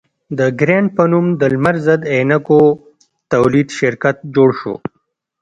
د ګرېنټ په نوم د لمر ضد عینکو تولید شرکت جوړ شو.